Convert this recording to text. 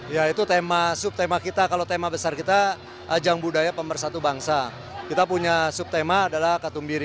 ya itu tema subtema kita kalau tema besar kita ajang budaya pemersatu bangsa kita punya subtema adalah katumbiri